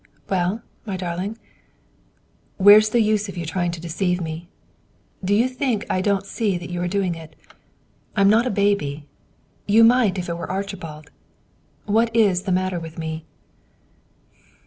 "Well, my darling?" "Where's the use of your trying to deceive me? Do you think I don't see that you are doing it? I'm not a baby; you might if it were Archibald. What is it that's the matter with me?"